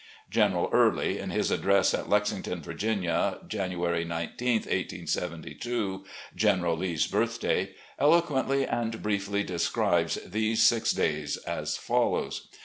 General Early, in his address at Lexington, Virginia, January 19, 1872 — General Lee's birthday — eloquently and briefly describes these six days as follows